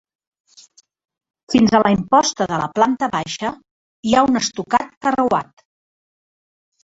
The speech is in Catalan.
Fins a la imposta de la planta baixa hi ha un estucat carreuat.